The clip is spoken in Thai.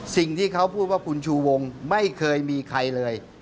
สิ่งที่เขาพูดว่าคุณชูวงไม่เคยมีใครเลย